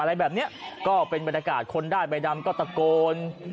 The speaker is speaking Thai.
อะไรแบบนี้ก็เป็นบรรยากาศคนได้ใบดำก็ตะโกน